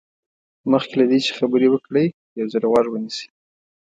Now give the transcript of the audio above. مخکې له دې چې خبرې وکړئ یو ځل غوږ ونیسئ.